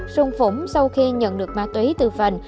sùng phủng sau khi nhận mát túy từ vành